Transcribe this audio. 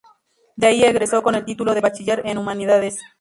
De ahí egresó con el título de Bachiller en Humanidades.